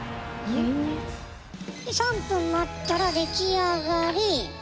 ３分待ったらできあがり！